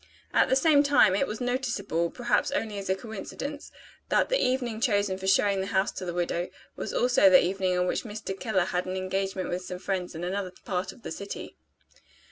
At the same time, it was noticeable (perhaps only as a coincidence) that the evening chosen for showing the house to the widow, was also the evening on which Mr. Keller had an engagement with some friends in another part of the city.